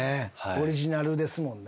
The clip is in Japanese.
オリジナルですもんね。